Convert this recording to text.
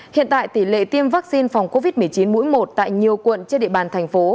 hiện tại tỷ lệ tiêm vaccine phòng covid một mươi chín mũi một tại nhiều quận trên địa bàn thành phố